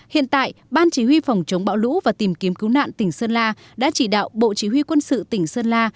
hiện tại ban chỉ huy phòng chống bão lũ và tìm kiếm cứu nạn tỉnh sơn la đã chỉ đạo bộ chỉ huy quân sự tỉnh sơn la